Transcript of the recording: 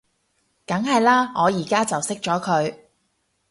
梗係喇，我而家就熄咗佢